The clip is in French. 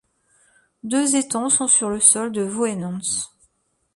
Deux étangs sont sur le sol de Vouhenans.